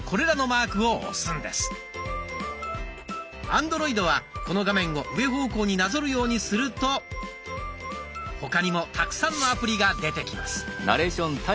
アンドロイドはこの画面を上方向になぞるようにすると他にもたくさんのアプリが出てきます。